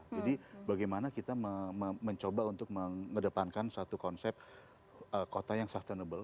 jadi bagaimana kita mencoba untuk mengedepankan satu konsep kota yang sustainable